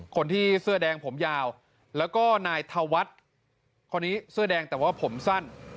คนที่เสื้อแดงผมยาวแล้วก็นายธวัฒน์คนนี้เสื้อแดงแต่ว่าผมสั้น